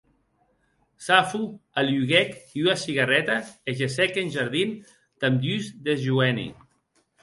Safo aluguèc ua cigarreta e gessec en jardin damb dus des joeni.